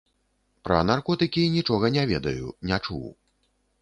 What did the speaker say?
Пра наркотыкі нічога не ведаю, не чуў.